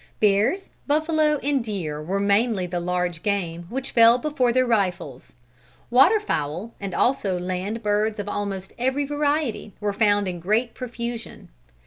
Bears, buffalo and deer were mainly the large game which fell before their rifles. Water fowl, and also land birds of almost every variety, were found in great profusion.